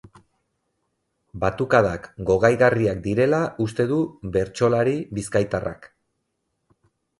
Batukadak gogaigarriak direla uste du bertsolari bizkaitarrak.